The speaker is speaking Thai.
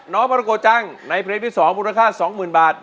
มรโกจังในเพลงที่๒มูลค่า๒๐๐๐บาท